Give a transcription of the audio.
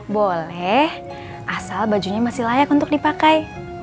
boleh asal bajunya masih layak untuk dipakai